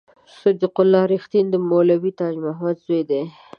صدیق الله رښتین د مولوي تاج محمد زوی دی.